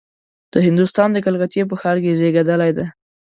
د هندوستان د کلکتې په ښار کې زېږېدلی دی.